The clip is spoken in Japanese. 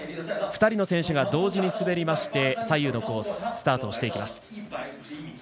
２人の選手が同時に滑りまして左右のコースをスタートします。